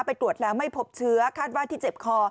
ไปตรวจแล้วไม่พบเชื้อคาดว่าที่เจ็บคอ